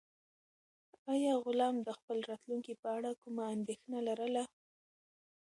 آیا غلام د خپل راتلونکي په اړه کومه اندېښنه لرله؟